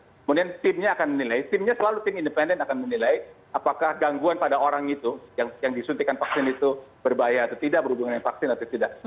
kemudian timnya akan menilai timnya selalu tim independen akan menilai apakah gangguan pada orang itu yang disuntikan vaksin itu berbahaya atau tidak berhubungan dengan vaksin atau tidak